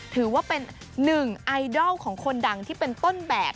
ถือว่าเป็นหนึ่งไอดอลของคนดังที่เป็นต้นแบบ